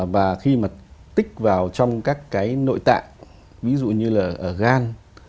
và khi mà tích vào trong các cái nội tạng ví dụ như là ở gan